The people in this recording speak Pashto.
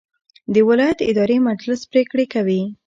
د ولایت اداري مجلس پریکړې کوي